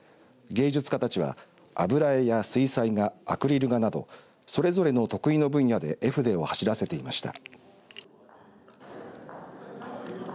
芸術家たちは、油絵や水彩画アクリル画などそれぞれの得意な分野で絵筆を走らせていました。